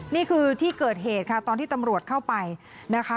นี่คือที่เกิดเหตุค่ะตอนที่ตำรวจเข้าไปนะคะ